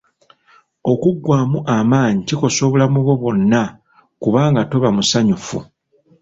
Okuggwamu amaanyi kikosa obulamu bwo bwonna kubanga toba musanyufu